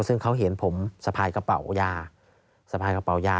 ซึ่งเขาเห็นผมสะพายกระเป๋ายา